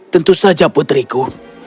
tentu saja putriku